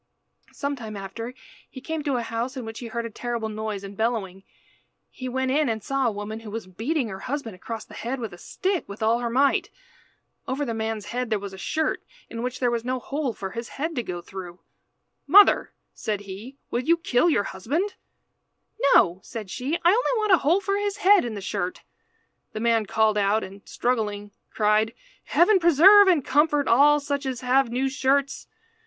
Some time after he came to a house in which he heard a terrible noise and bellowing. He went in and saw a woman who was beating her husband across the head with a stick with all her might. Over the man's head there was a shirt in which there was no hole for his head to go through. "Mother," said he, "will you kill your husband?" "No," said she, "I only want a hole for his head in the shirt." The man called out and, struggling, cried "Heaven preserve and comfort all such as have new shirts!